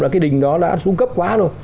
cái đỉnh đó đã xuống cấp quá